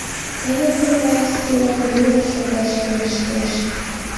Кызыт ынде Арсилан вуйын шогаш верештеш.